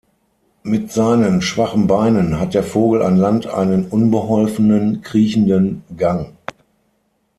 Mit seinen schwachen Beinen hat der Vogel an Land einen unbeholfenen, kriechenden Gang.